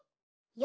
よ